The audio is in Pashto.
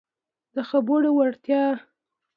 د خبرو وړتیا